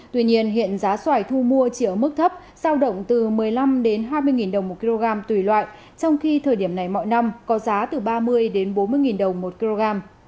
tuy nhiên hiện giá xoài thu mua chỉ ở mức thấp giao động từ một mươi năm hai mươi đồng một kg tùy loại trong khi thời điểm này mọi năm có giá từ ba mươi đến bốn mươi đồng một kg